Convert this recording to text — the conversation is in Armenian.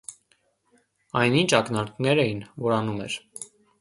Այն ի՞նչ ակնարկներ էին, որ անում էր…